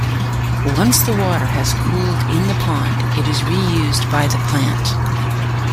Once the water has cooled in the pond, it is reused by the plant.